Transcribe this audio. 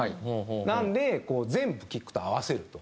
なので全部キックと合わせると。